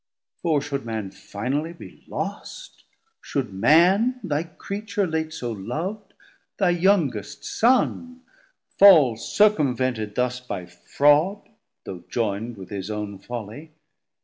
For should Man finally be lost, should Man 150 Thy creature late so lov'd, thy youngest Son Fall circumvented thus by fraud, though joynd With his own folly?